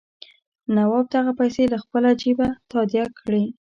نواب دغه پیسې له خپله جېبه تادیه کړي.